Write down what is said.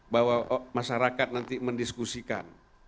bahwa masyarakat nanti mendiskusikan